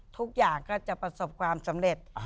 ทุกอย่างก็จะประสบความสำเร็จ